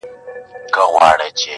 • خدایه هغه مه اخلې زما تر جنازې پوري.